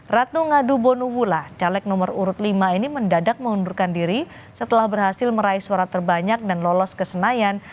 ratu ngadu bonubula caleg nomor urut lima ini mendadak mengundurkan diri setelah berhasil meraih suara terbanyak dan lolos ke senayan